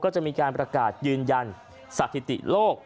ก็จะมีการประกาศยืนยันสถิติโลก